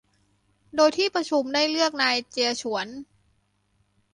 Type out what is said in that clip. โดยที่ประชุมได้เลือกนายเจียฉวน